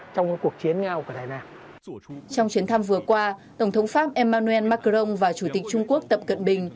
trong chuyến thăm vừa qua tổng thống pháp emmanuel macron và chủ tịch trung quốc tập cận bình